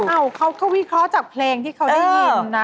เขาก็วิเคราะห์จากเพลงที่เขาได้ยินนะ